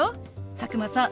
佐久間さん